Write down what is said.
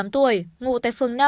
bốn mươi tám tuổi ngụ tại phường năm